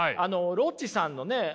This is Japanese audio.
ロッチさんのねコント